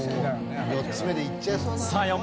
４つ目でいっちゃいそうだな。